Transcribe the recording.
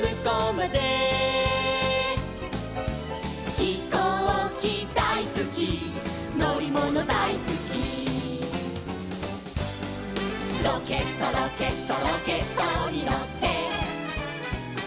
「ひこうきだいすきのりものだいすき」「ロケットロケットロケットにのって」